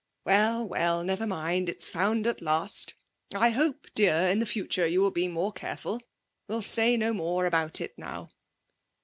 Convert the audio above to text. Well, well, never mind; it's found at last. I hope, dear, in the future you will be more careful. We'll say no more about it now.'